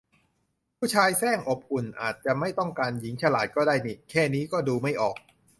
ผู้ชายแสร้งอบอุ่น อาจจะไม่ต้องการหญิงฉลาดก็ได้นิ แค่นี้ก็ดูไม่ออก